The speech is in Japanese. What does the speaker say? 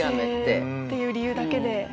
女性っていう理由だけで。